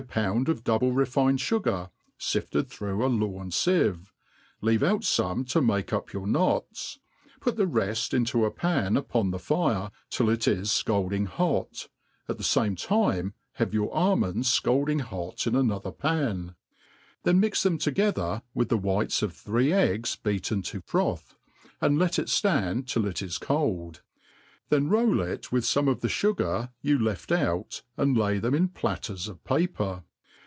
pound of double refined fugar, fifted through a lawn fieve,' leave out feme to make up your knots, put the reft into a part upon the fire, till it is fcalding hot, and at the fame time bavd your almonds fcalding hot in another pan j then mix them to gether with the whites of three eggs beaten to froth, and let u ftaiid till it' is cold;^ then roll it with fomc of the fugar yoii •.■■'••^ left "^ J 1 APPENDIX TO THE ART OF COOKERY. 361 left our, and lay them in platters of paper.